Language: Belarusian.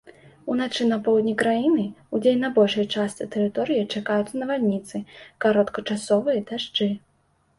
Уначы на поўдні краіны, удзень на большай частцы тэрыторыі чакаюцца навальніцы, кароткачасовыя дажджы.